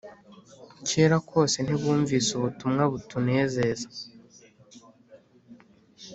kera kose ntibumvise ubutumwa butunezeza